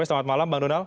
selamat malam bang donald